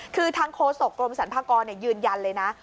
คือทางโฆษกรมสรรพากรยืนยันเลยนะ